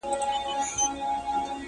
هره ورځ به نه وي غم د اردلیانو!.